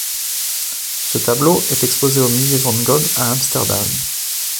Ce tableau est exposé au Musée Van Gogh à Amsterdam.